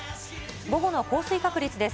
午後の降水確率です。